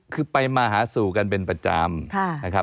คือไปมาหาสู่กันเป็นประจำนะครับ